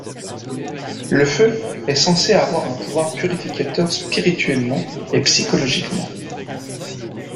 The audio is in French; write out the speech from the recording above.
Le feu est censé avoir un pouvoir purificateur spirituellement et psychologiquement.